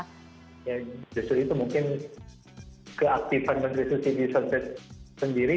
ya justru itu mungkin keaktifan menteri susi di sonset sendiri